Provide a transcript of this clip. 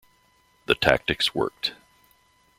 The tactics worked.